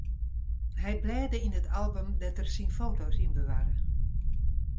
Hy blêde yn it album dêr't er syn foto's yn bewarre.